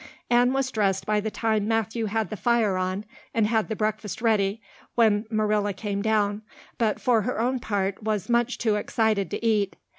Anne was dressed by the time Matthew had the fire on and had the breakfast ready when Marilla came down, but for her own part was much too excited to eat.